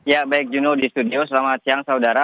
ya baik juno di studio selamat siang saudara